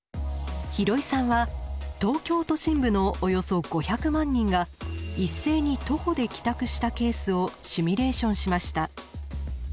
廣井さんは東京都心部のおよそ５００万人が一斉に徒歩で帰宅したケースをシミュレーションしました。